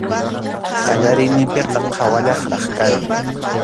Qallariyninpiqa qhawallaqraq kani.